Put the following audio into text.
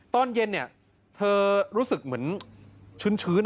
ตอนเย็นเธอรู้สึกเหมือนชื้น